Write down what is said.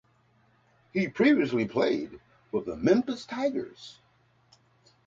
He previously played for the Memphis Tigers.